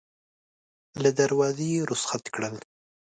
له دروازې یې رخصت کړل.